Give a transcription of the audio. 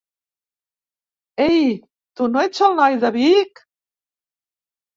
Ei, tu no ets el noi de Vic?